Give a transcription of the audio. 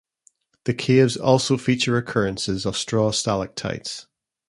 The caves also feature occurrences of straw stalactites.